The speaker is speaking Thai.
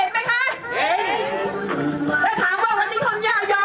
มันได้มีคนจะทำบุญนะครับ